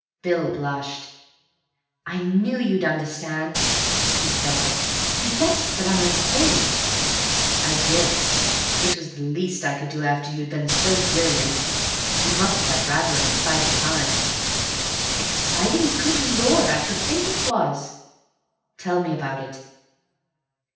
Bill blushed. "I knew you'd understand," he said. "You guessed that I meant Cayley?" "I did. It was the least I could do after you had been so brilliant. You must have had rather an exciting time." "Exciting? Good Lord, I should think it was." "Tell me about it."